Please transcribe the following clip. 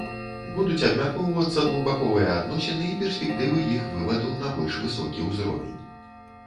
Будуць абмяркоўвацца двухбаковыя адносіны і перспектывы іх вываду на больш высокі ўзровень.